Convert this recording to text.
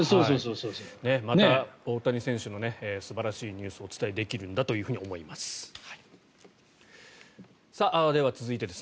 また大谷選手の素晴らしいニュースをお伝えできるんだと思います。